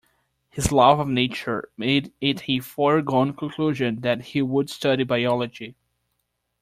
His love of nature made it a foregone conclusion that he would study biology